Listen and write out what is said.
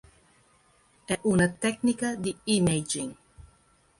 È una tecnica di imaging.